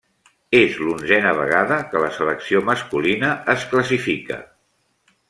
És l'onzena vegada que la selecció masculina es classifica.